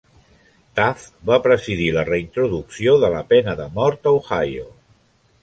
Taf va presidir la reintroducció de la pena de mort a Ohio.